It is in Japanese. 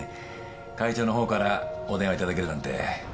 会長のほうからお電話いただけるなんて。